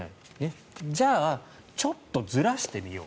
じゃあちょっとずらしてみよう。